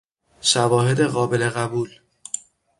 شواهد قابل قبول